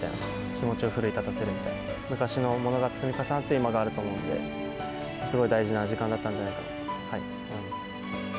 気持ちを奮い立たせるみたいな、昔のものが積み重なって、今があると思うので、すごい大事な時間だったんじゃないかなと思います。